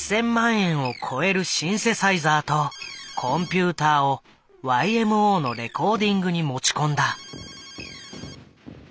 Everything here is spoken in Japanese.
円を超えるシンセサイザーとコンピューターをＹＭＯのレコーディングに持ち込んだ。